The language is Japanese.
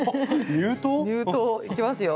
入刀いきますよ。